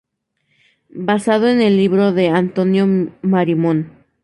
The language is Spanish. Basado en el libro de Antonio Marimón.